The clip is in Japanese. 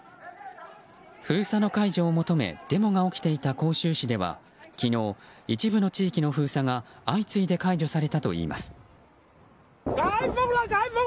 封鎖の解除を求めデモが起きていた広州市では昨日、一部の地域の封鎖が相次いで解除されたといいます。